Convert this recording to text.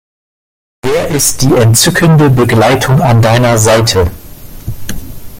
Wer ist die entzückende Begleitung an deiner Seite?